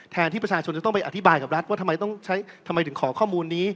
แทนที่ประชาชนจะต้องไปอธิบายกับรัฐว่าทำไมถึงขอข้อมูลนี้